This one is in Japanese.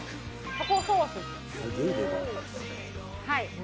はい。